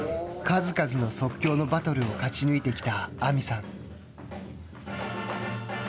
数々の即興のバトルを勝ち抜いてきた亜実さん。